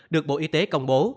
được bộ y tế công bố